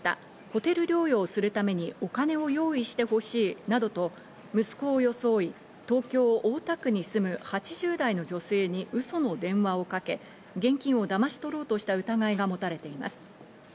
ホテル療養するためにお金を用意してほしいなどと息子を装い、東京・大田区に住む８０代の女性に嘘の電話をかけ、現金をだまし取ろうとした疑いが持たれています。